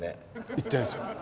言ってないですよ。